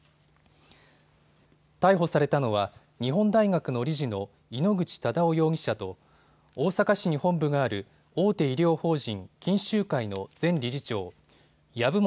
逮捕されたのは日本大学の理事の井ノ口忠男容疑者と大阪市に本部がある大手医療法人、錦秀会の前理事長、籔本